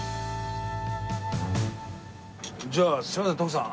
じゃあすみません徳さん